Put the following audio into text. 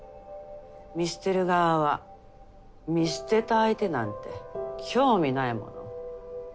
見捨てる側は見捨てた相手なんて興味ないもの。